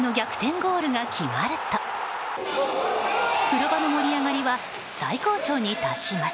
ゴールが決まると風呂場の盛り上がりは最高潮に達します。